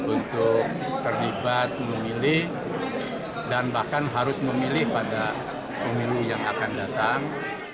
untuk terlibat memilih dan bahkan harus memilih pada pemilu yang akan datang